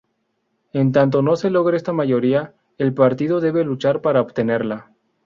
En tanto no se logre esta mayoría, el partido debe luchar para obtenerla.